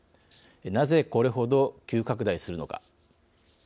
なぜ、これほど急拡大するのか。